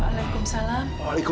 tapi aku sedikit sudah belum tahu